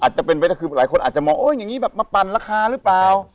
หลายคนอาจจะมองอย่างงี้มาปั่นราคาหรือเปล่า